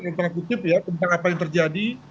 yang telah kutip tentang apa yang terjadi